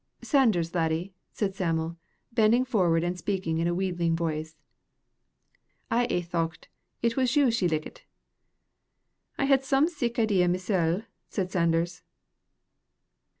"Sanders, laddie," said Sam'l, bending forward and speaking in a wheedling voice, "I aye thocht it was you she likit." "I had some sic idea mysel," said Sanders.